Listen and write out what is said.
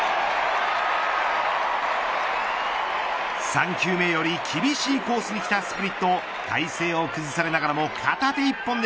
３球目より厳しいコースに来たスプリットを体勢を崩されながらも片手一本で